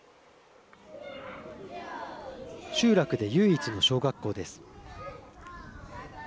集落で唯一の小学校です。